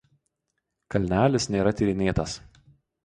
Kalnelis nėra tyrinėtas.